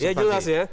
ya jelas ya